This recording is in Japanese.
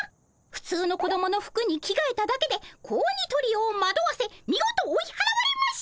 普通の子供の服に着替えただけで子鬼トリオをまどわせ見事追い払われました！